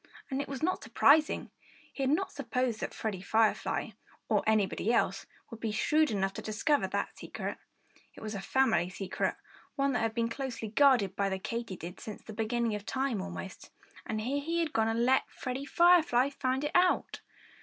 And it was not surprising. He had not supposed that Freddie Firefly or anybody else would be shrewd enough to discover that secret. It was a family secret one that had been closely guarded by the Katydids since the beginning of time, almost. And here he had gone and let Freddie Firefly find it out!